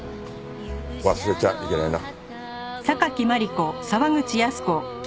忘れちゃいけないな。